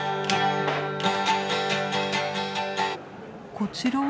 こちらは。